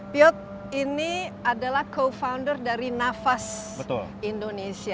piot ini adalah co founder dari nafas indonesia